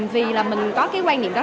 vì là mình có cái quan niệm đó